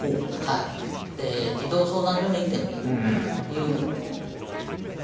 で児童相談所に行ってもいいという状況。